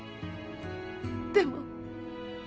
でも。